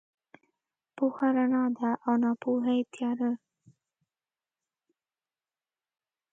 پوهه رڼا ده او ناپوهي تیاره ده.